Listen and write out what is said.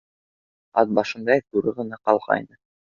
Ат башындай ҙуры ғына ҡалғайны.